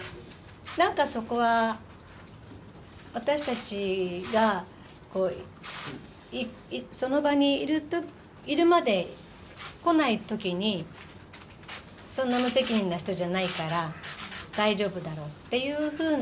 なんかそこは、私たちがその場にいるまで、来ないときに、そんな無責任な人じゃないから、大丈夫だろうっていうふうな。